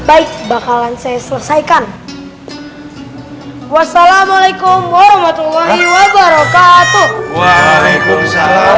baik bakalan saya selesaikan wassalamualaikum warahmatullahi wabarakatuh waalaikumsalam